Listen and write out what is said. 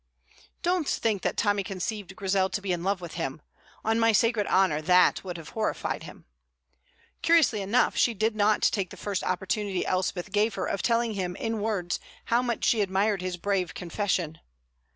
Don't think that Tommy conceived Grizel to be in love with him. On my sacred honour, that would have horrified him. Curiously enough, she did not take the first opportunity Elspeth gave her of telling him in words how much she admired his brave confession.